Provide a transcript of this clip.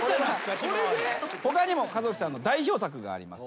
『ひまわり』他にも和興さんの代表作があります。